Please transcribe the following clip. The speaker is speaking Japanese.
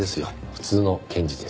普通の検事です。